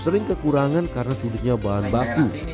sering kekurangan karena sulitnya bahan baku